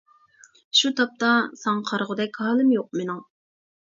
شۇ تاپتا، ساڭا قارىغۇدەك ھالىم يوق مېنىڭ.